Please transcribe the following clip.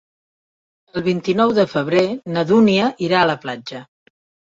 El vint-i-nou de febrer na Dúnia irà a la platja.